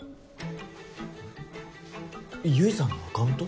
結衣さんのアカウント？